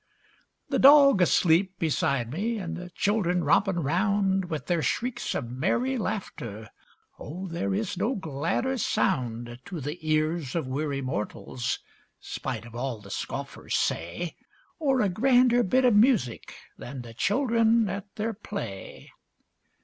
The dog asleep beside me, an' the children rompin' 'round With their shrieks of merry laughter, Oh, there is no gladder sound To the ears o' weary mortals, spite of all the scoffers say, Or a grander bit of music than the children at their play!